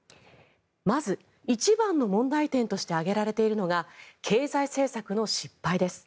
まず、一番の問題点として挙げられているのが経済政策の失敗です。